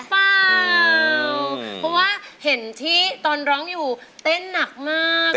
เพราะว่าเห็นที่ตอนร้องอยู่เต้นนักมากเลย